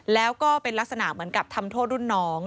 แล้วก็เป็นลักษณะเหมือนกับทำโทษรุ่นน้อง